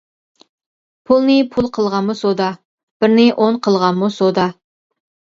پۇلنى پۇل قىلغانمۇ سودا. بىرنى ئون قىلغانمۇ سودا.